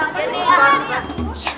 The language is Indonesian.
apa sih pak ustadz